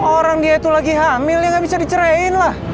orang dia itu lagi hamil dia gak bisa dicerain lah